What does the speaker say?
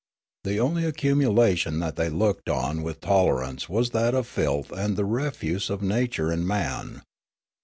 The only accumulation that they looked on with tolerance was that of filth and the refuse of Nature and man.